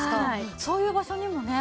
そういう場所にもね